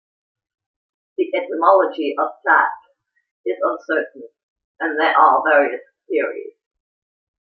The etymology of "dap" is uncertain, and there are various theories.